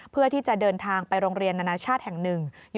เพื่อที่จะเดินทางไปโรงเรียนนานาชาติแห่งหนึ่ง